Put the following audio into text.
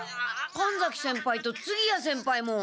神崎先輩と次屋先輩も！